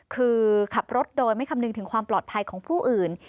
คือขับรถโดยไม่คำนึงถึงความปลอดภัยของผู้อื่น